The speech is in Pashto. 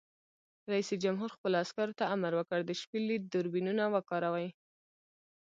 رئیس جمهور خپلو عسکرو ته امر وکړ؛ د شپې لید دوربینونه وکاروئ!